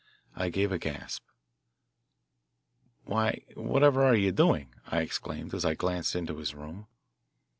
I gave a gasp. "Why, whatever are you doing?" I exclaimed as I glanced into his room.